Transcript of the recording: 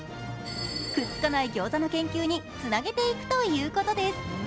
くっつかない餃子の研究につなげていくということです。